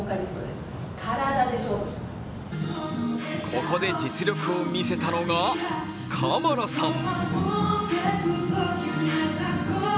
ここで実力を見せたのがカマラさん。